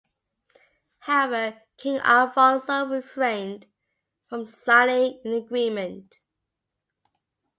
However, King Alfonso refrained from signing an agreement.